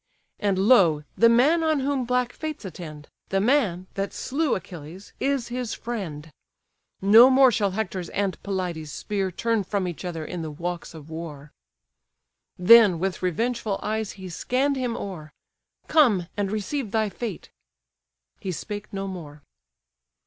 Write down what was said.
"And, lo! the man on whom black fates attend; The man, that slew Achilles, is his friend! No more shall Hector's and Pelides' spear Turn from each other in the walks of war."— Then with revengeful eyes he scann'd him o'er: "Come, and receive thy fate!" He spake no more.